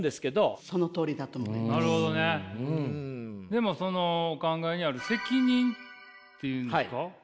でもお考えにある「責任」って言うんですか？